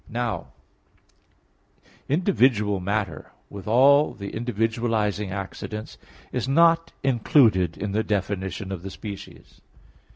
Now individual matter, with all the individualizing accidents, is not included in the definition of the species.